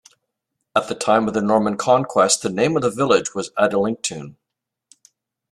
At the time of the Norman conquest the name of the village was Adelinctune.